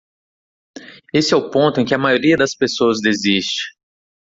Esse é o ponto em que a maioria das pessoas desiste.